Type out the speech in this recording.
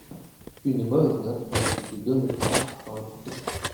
Une mauvaise note avait été donnée à Mark par le professeur.